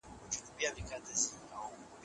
د قومونو تر منځ اړیکي د تاریخ په اوږدو کي بدلې سوي.